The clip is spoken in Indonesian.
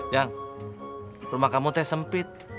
yang rumah kamu teh sempit